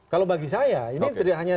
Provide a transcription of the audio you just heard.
kalau bagi saya ini tidak hanya